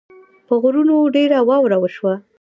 په غرونو ډېره واوره وشوه